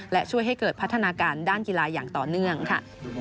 และช่วยให้เกิดพัฒนาการด้านกีฬาอย่างต่อเนื่องค่ะ